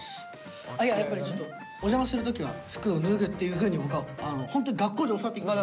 やっぱりちょっとお邪魔する時は服を脱ぐっていうふうに僕はホントに学校で教わってきました。